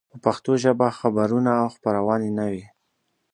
په پښتو ژبه خبرونه او خپرونې نه وې.